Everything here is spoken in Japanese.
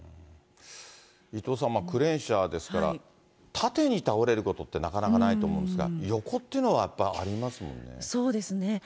伊藤さん、クレーン車ですから、縦に倒れることってなかなかないと思うんですが、横っていうのは、そうですね。